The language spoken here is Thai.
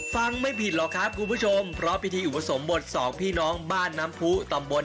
ไม่ผิดหรอกครับคุณผู้ชมเพราะพิธีอุปสมบทสองพี่น้องบ้านน้ำผู้ตำบล